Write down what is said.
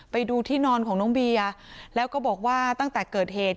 ไปดูที่นอนของน้องเบียร์แล้วก็บอกว่าตั้งแต่เกิดเหตุ